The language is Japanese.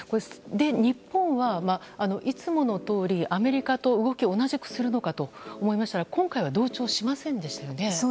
日本は、いつものとおりアメリカと動きを同じくするのかと思いましたら今回は同調しませんでしたよね？